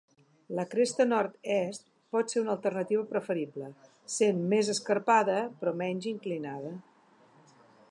La cresta nord-est pot ser una alternativa preferible, sent més escarpada però menys inclinada.